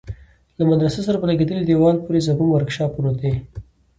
له مدرسه سره په لگېدلي دېوال پورې زموږ ورکشاپ پروت دى.